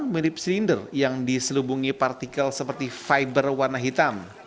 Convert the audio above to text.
mirip silinder yang diselubungi partikel seperti fiber warna hitam